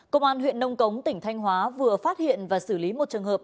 công an huyện nông cống tỉnh thanh hóa vừa phát hiện và xử lý một trường hợp